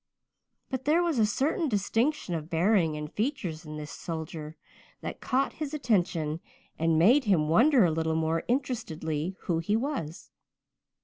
But there was a certain distinction of bearing and features in this soldier that caught his attention and made him wonder a little more interestedly who he was.